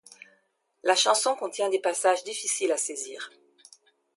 La chanson contient des passages difficiles à saisir.